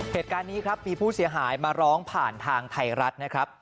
เหตุการณ์นี้ครับมีผู้เสียหายมาร้องผ่านทางไทยรัฐนะครับ